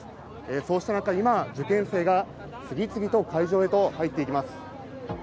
そうした中、今、受験生が次々と会場へと入っていきます。